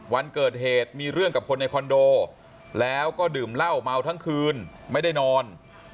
วันเกิดเหตุมีเรื่องกับคนในคอนโดแล้วก็ดื่มเหล้าเมาทั้งคืนไม่ได้นอน